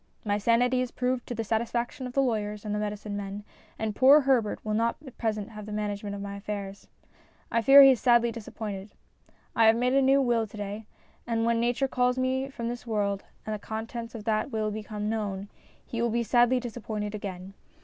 My sanity is proved to the satisfaction of the lawyers and the medicine men, and poor Herbert will not at present have the management of my affairs. I fear he is sadly disappointed. I have made a new will to day, and when nature calls me from this world and the contents of that will become known, he will be sadly disappointed again.